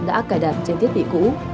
đã cài đặt trên thiết bị cũ